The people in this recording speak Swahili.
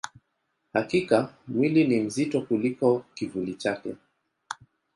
Hakika, mwili ni mzito kuliko kivuli chake.